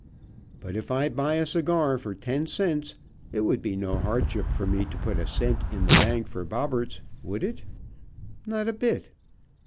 But if I buy a cigar for ten cents it would be no hardship for me to put a cent in the bank for Bobberts, would it? Not a bit!